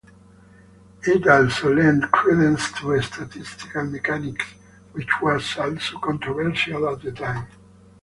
It also lent credence to statistical mechanics, which was also controversial at the time.